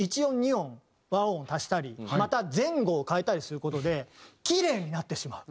２音和音を足したりまた前後を変えたりする事でキレイになってしまう。